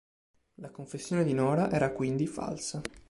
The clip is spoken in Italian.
La confessione di Nora era quindi falsa.